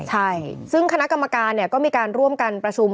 ใช่ซึ่งคณะกรรมการเนี่ยก็มีการร่วมกันประชุม